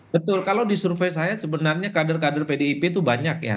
betul kalau di survei saya sebenarnya kader kader pdip itu banyak ya